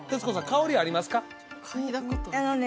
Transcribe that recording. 香りありますか？